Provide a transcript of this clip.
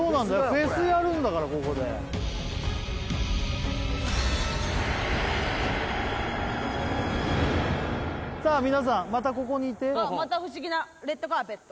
フェスやるんだからここでさあ皆さんまたここにいてまた不思議なレッドカーペット